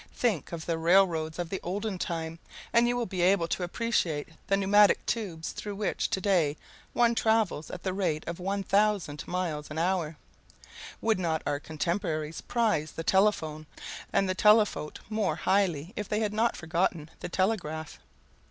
Think of the railroads of the olden time, and you will be able to appreciate the pneumatic tubes through which to day one travels at the rate of 1000 miles an hour. Would not our contemporaries prize the telephone and the telephote more highly if they had not forgotten the telegraph?